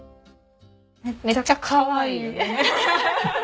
めっちゃかわいい。